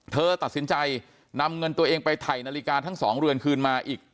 เธอตัดสินใจนำเงินตัวเองไปถ่ายนาฬิกาทั้ง๒เรือนคืนมาอีก